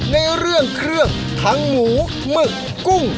ในเรื่องเครื่องทั้งหมูหมึกกุ้ง